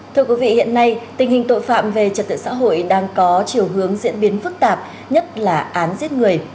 thưa quý vị hiện nay tình hình tội phạm về trật tự xã hội đang có chiều hướng diễn biến phức tạp nhất là án giết người